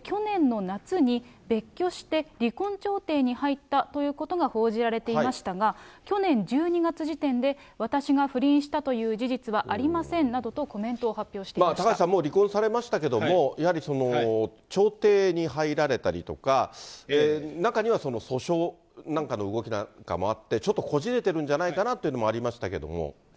去年の夏に別居して、離婚調停に入ったということが報じられていましたが、去年１２月時点で、私が不倫したという事実はありませんなどとコメントを発表してい高橋さん、もう離婚されましたけれども、やはり調停に入られたりとか、中には訴訟なんかの動きなんかもあって、ちょっとこじれてるんじゃないかなというのもありましたけども。